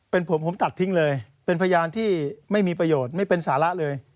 เป็นผมผมตัดทิ้งเลยเป็นพยานที่ไม่มีประโยชน์ไม่เป็นสาระเลย